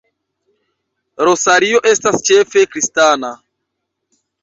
Rosario estas ĉefe kristana.